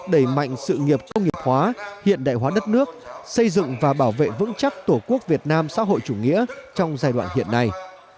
đẩy mạnh sự nghiệp công nghiệp hóa hiện đại hóa đất nước xây dựng và bảo vệ vững chắc tổ quốc việt nam xã hội chủ nghĩa trong giai đoạn hiện nay